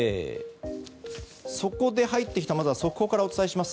そこで入ってきたまずは速報からお伝えします。